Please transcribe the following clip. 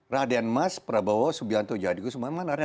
raden mas prabowo subianto jahadikusumo